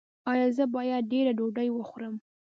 ایا زه باید ډیره ډوډۍ وخورم؟